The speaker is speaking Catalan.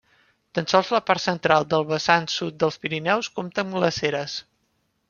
Tan sols la part central del vessant sud dels Pirineus compta amb glaceres.